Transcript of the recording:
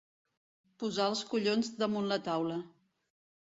Posar els collons damunt la taula.